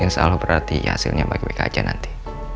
insya allah berarti hasilnya baik baik saja nanti